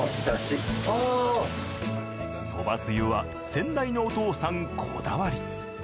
そばつゆは先代のお父さんこだわり。